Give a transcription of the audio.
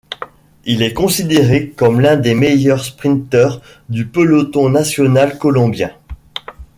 Il est considéré comme l'un des meilleurs sprinteurs du peloton national colombien.